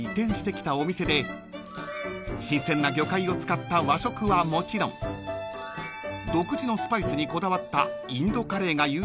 ［新鮮な魚介を使った和食はもちろん独自のスパイスにこだわったインドカレーが有名な］